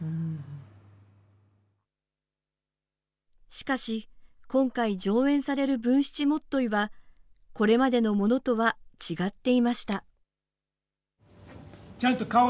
しかし、今回上演される文七元結は、これまでのものとは違っていました。